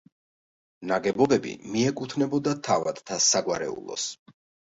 ნაგებობები მიეკუთვნებოდა თავადთა საგვარეულოს.